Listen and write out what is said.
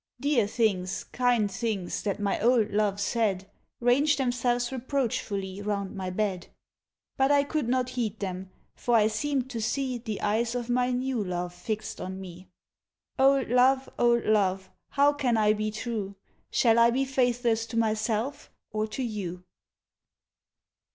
Dear things, kind things, That my old love said, Ranged themselves reproachfully Round my bed. But I could not heed them, For I seemed to see The eyes of my new love Fixed on me. Old love, old love, How can I be true? Shall I be faithless to myself Or to you?